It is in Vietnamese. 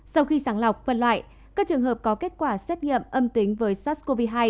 sau khi sàng lọc phân loại các trường hợp có kết quả xét nghiệm âm tính với sars cov hai